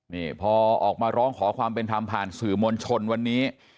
นี่พอออกมาร้องขอความเป็นธรรมผ่านสื่อมวลชนวันนี้